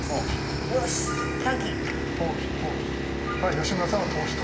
吉村さんは投資と。